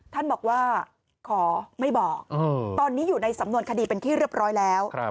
ท่านบอกว่าขอไม่บอกตอนนี้อยู่ในสำนวนคดีเป็นที่เรียบร้อยแล้ว